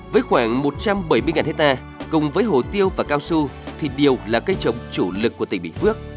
với khoảng một trăm bảy mươi hectare cùng với hồ tiêu và cao su thì điều là cây trồng chủ lực của tỉnh bình phước